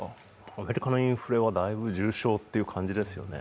アメリカのインフレはだいぶ重症という感じですよね。